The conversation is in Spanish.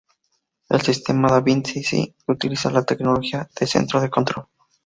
El sistema Da Vinci Si, utiliza la tecnología de centro de control.